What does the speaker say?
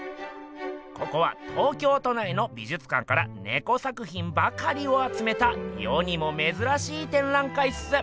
ここは東京都内の美術館からネコ作品ばかりをあつめた世にもめずらしい展覧会っす。